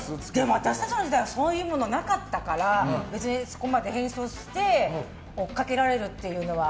私たちの時代はそういうものなかったから別にそこまで変装して追っかけられるっていうのは。